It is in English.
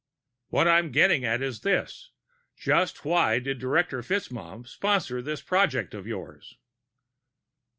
"What I'm getting at is this: just why did Director FitzMaugham sponsor this project of yours?"